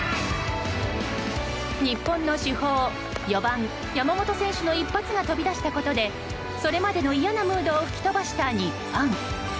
日本の主砲４番の山本選手の一発が飛び出したことでそれまでの嫌なムードを吹き飛ばした日本。